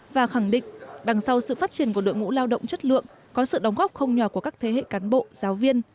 và khẳng định đằng sau sự phát triển của đội ngũ lao động chất lượng có sự đóng góp không nhỏ của các thế hệ cán bộ giáo viên